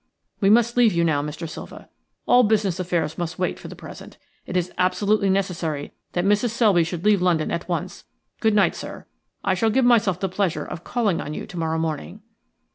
We must leave you now, Mr. Silva. All business affairs must wait for the present. It is absolutely necessary that Mrs. Selby should leave London at once. Good night, sir. I shall give myself the pleasure of calling on you to morrow morning."